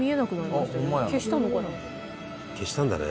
消したのかな？